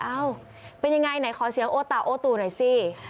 เอ้าเป็นยังไงไหนขอเสียงโอตาโอตูหน่อยสิ